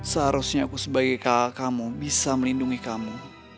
seharusnya aku sebagai kakak kamu bisa melindungi kamu